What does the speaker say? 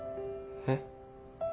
えっ？